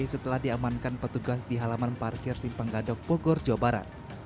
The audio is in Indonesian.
setelah diamankan petugas di halaman parkir simpang gadok bogor jawa barat